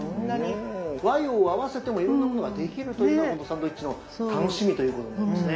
和洋合わせてもいろんなものができるというのがこのサンドイッチの楽しみということになりますね。